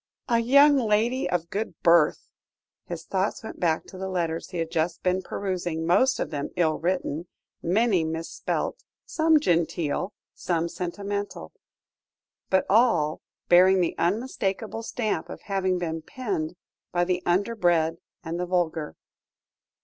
"A young lady of good birth!" His thoughts went back to the letters he had just been perusing, most of them ill written, many mis spelt, some genteel, some sentimental but all bearing the unmistakable stamp of having been penned by the underbred and the vulgar.